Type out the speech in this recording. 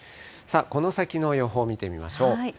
この先の予報見てみましょう。